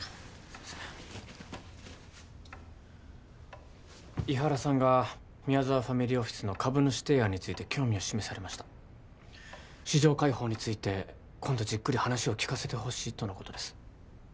すいません伊原さんが宮沢ファミリーオフィスの株主提案について興味を示されました市場開放について今度じっくり話を聞かせてほしいとのことです